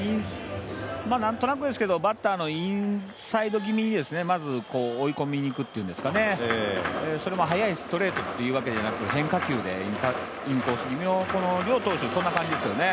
なんとなくですけど、バッターのインサイド気味にまず追い込みにいく、それも速いストレートっていうわけではなく変化球でインコース気味をっていう両投手、そんな感じですよね。